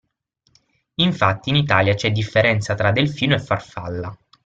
Infatti in Italia c'è differenza tra delfino e farfalla.